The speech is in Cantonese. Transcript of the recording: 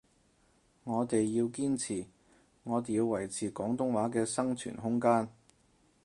我哋要堅持，我哋要維持廣東話嘅生存空間